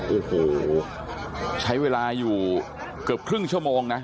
โอ้โหใช้เวลาอยู่เกือบครึ่งชั่วโมงนะ